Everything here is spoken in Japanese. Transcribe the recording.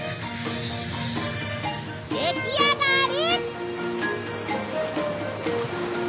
出来上がり！